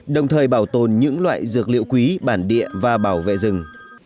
đồng thời bảo tồn những loại dược liệu quý bản địa và bảo vệ rừng